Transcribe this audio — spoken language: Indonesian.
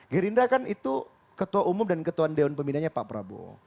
gerindra kan itu ketua umum dan ketua dewan pembinanya pak prabowo